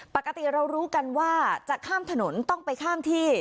ปกติเรารู้กันว่าจะข้ามถนนต้องไปข้ามที่